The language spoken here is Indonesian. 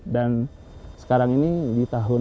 dan sekarang ini di tahun dua ribu dua puluh